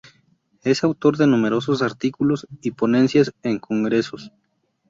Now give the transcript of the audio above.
Es autor de numerosos artículos y ponencias en congresos.